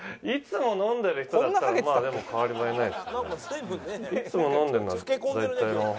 いつも飲んでるのは。